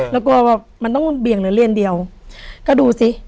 แล้วกลัวว่ามันต้องเบี่ยงเหลือเลียนเดียวก็ดูสิ